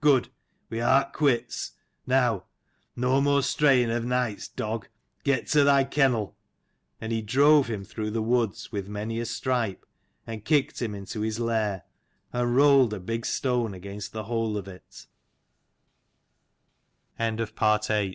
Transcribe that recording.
Good: we art quits. Now no more straying of nights, dog. Get to thy kennel." And he drove him through the woods with many a stripe, and kicked him into his lair, and rolled a big stone against